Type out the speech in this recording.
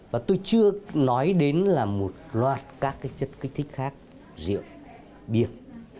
và tôi chưa nói đến là một loạt các chất kích thích khác rượu biệt